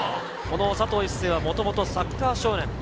この佐藤一世はもともとサッカー少年。